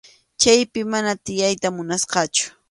Chaypi mana tiyayta munasqachu.